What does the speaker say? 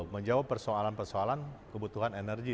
menjawab persoalan persoalan kebutuhan energi